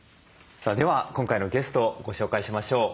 さあでは今回のゲストをご紹介しましょう。